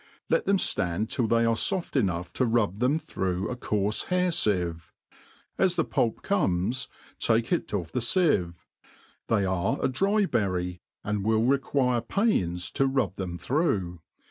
Let them ftand till tlwy are foft enough to rub them through a coarfe hair fieve; as the pulp comes take it off the fieve : they are a dry berry, and will require pains to rub them through.